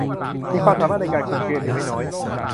มีความสามารถในการคุมเกมอยู่ไม่น้อย